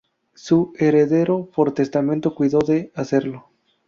Su heredero por testamento cuidó de hacerlo